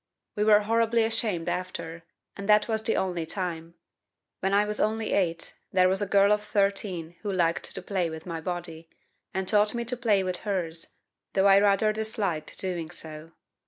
We were horribly ashamed after, and that was the only time. When I was only 8 there was a girl of 13 who liked to play with my body, and taught me to play with hers, though I rather disliked doing so.